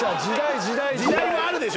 時代もあるでしょ